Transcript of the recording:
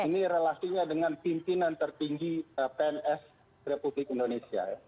ini relasinya dengan pimpinan tertinggi pns republik indonesia